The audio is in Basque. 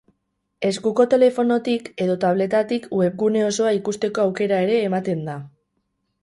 Eskuko telefonotik edo tabletatik webgune osoa ikusteko aukera ere ematen da.